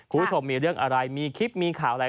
คุณผู้ชมมีเรื่องอะไรมีคลิปมีข่าวอะไร